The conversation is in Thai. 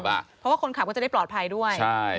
เพราะว่าคนขับก็จะได้ปลอดภัยด้วย